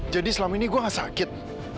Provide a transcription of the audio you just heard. jadi selama ini gue gak sakit